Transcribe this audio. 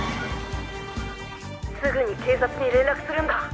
すぐに警察に連絡するんだ！